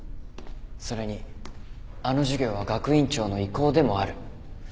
それにあの授業は学院長の意向でもある。